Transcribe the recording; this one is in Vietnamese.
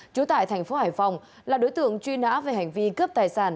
trú tại thành phố hải phòng là đối tượng truy nã về hành vi cướp tài sản